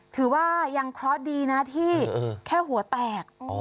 ถือว่ายังคลอสดีนะที่แค่หัวแตก